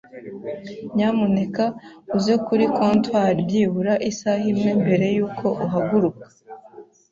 Nyamuneka uze kuri comptoire byibura isaha imwe mbere yuko uhaguruka.